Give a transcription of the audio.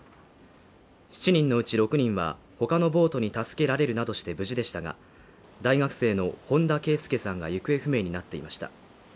７人のうち６人は、他のボートに助けられるなどして無事でしたが、大学生の本田啓祐さんが行方不明になっていました。